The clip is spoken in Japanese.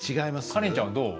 カレンちゃんはどう？